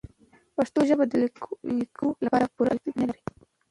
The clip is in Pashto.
پښتو ژبه د لیکلو لپاره پوره الفبې نلري.